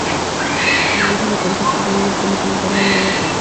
María se lo cuenta todo y ella promete ayudarla a llegar al concurso.